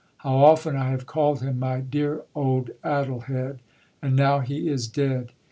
How often I have called him my "dear old Addle head," and now he is dead.